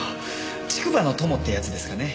竹馬の友ってやつですかね？